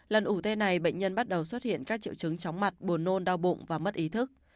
lần ủ tê này bệnh nhân bắt đầu xuất hiện các triệu chứng chóng mặt buồn nôn đau bụng và mất ý thức